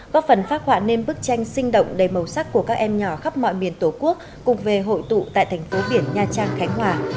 góp phần phát họa nên bức tranh sinh động đầy màu sắc của các em nhỏ khắp mọi miền tổ quốc cùng về hội tụ tại thành phố biển nha trang khánh hòa